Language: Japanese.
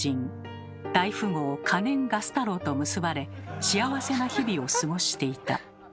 大富豪可燃ガス太郎と結ばれ幸せな日々を過ごしていた。